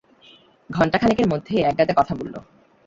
ঘন্টাখানেকের মধ্যে একগাদা কথা বলল।